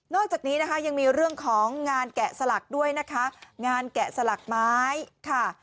จากนี้นะคะยังมีเรื่องของงานแกะสลักด้วยนะคะงานแกะสลักไม้ค่ะ